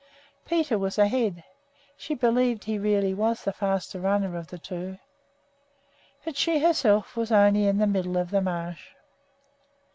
Peter was ahead (she believed he really was the faster runner of the two). But she herself was only in the middle of the marsh.